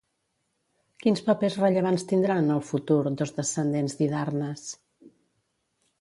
Quins papers rellevants tindran en el futur dos descendents d'Hidarnes?